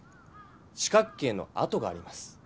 四角形のあとがあります。